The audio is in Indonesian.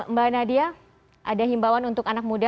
mbak nadia ada himbawan untuk anak muda